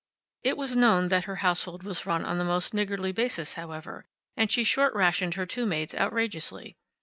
It was known that her household was run on the most niggardly basis, however, and she short rationed her two maids outrageously.